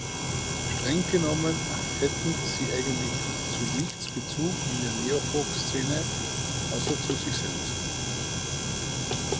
Strenggenommen hätten sie „eigentlich zu nichts Bezug in der Neofolk-Szene“, außer zu sich selbst.